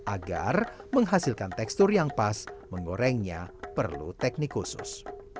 agar menghasilkan tekstur yang pas menggorengnya perlu teknik khusus